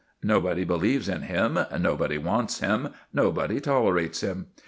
Nobody believes in him, nobody wants him, nobody tolerates him.